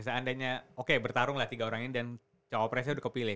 seandainya oke bertarunglah tiga orang ini dan cawapresnya udah kepilih